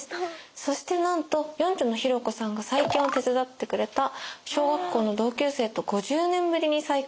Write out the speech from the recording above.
そしてなんと四女のひろ子さんが再建を手伝ってくれた小学校の同級生と５０年ぶりに再会。